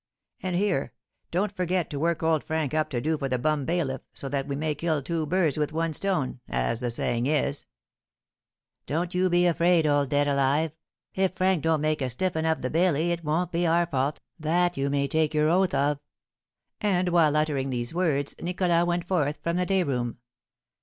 And here; don't forget to work old Frank up to do for the bum bailiff, so that we may kill two birds with one stone, as the saying is." "Don't you be afraid, old Dead Alive! If Frank don't make a stiff'un of the bailey, it won't be our fault, that you may take your oath of!" And, while uttering these words, Nicholas went forth from the day room.